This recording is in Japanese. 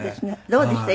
どうでした？